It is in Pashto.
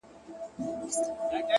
هوډ د ناامیدۍ ځواک کموي؛